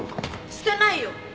捨てないよ！